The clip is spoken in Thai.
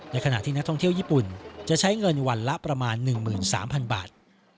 ขณะที่นักท่องเที่ยวญี่ปุ่นจะใช้เงินวันละประมาณ๑๓๐๐๐บาท